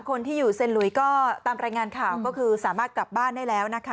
คนที่อยู่เซ็นหลุยก็ตามรายงานข่าวก็คือสามารถกลับบ้านได้แล้วนะคะ